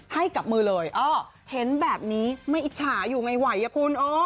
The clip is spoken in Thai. ให้กับมือเลยเห็นแบบนี้ไม่อิจฉาอยู่ไงไหวอะคุณ